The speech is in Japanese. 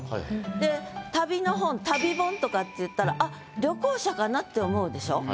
で旅の本「旅本」とかって言ったらあっって思うでしょ？